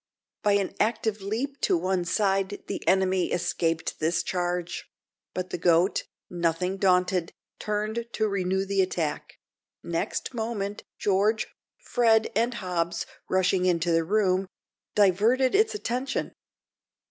By an active leap to one side, the enemy escaped this charge; but the goat, nothing daunted, turned to renew the attack; next moment George, Fred, and Hobbs, rushing into the room, diverted its attention.